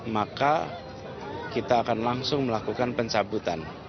maka kita akan langsung melakukan pencabutan